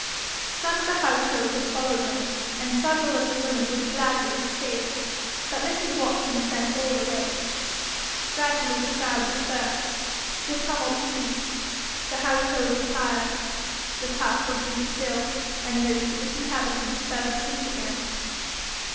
Some of the household had followed them, and several of the women would gladly have stayed, but Mrs. Watson sent all away. Gradually the crowd dispersed. The tumult ceased; the household retired. The castle grew still, and most of its inhabitants fell asleep again.